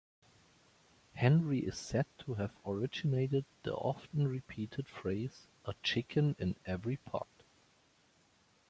Henry is said to have originated the oft-repeated phrase, "a chicken in every pot".